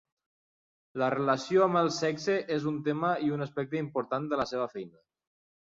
La relació amb el sexe és un tema i un aspecte important de la seva feina.